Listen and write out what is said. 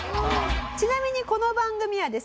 ちなみにこの番組はですね